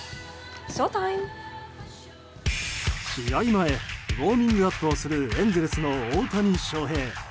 前ウォーミングアップをするエンゼルスの大谷翔平。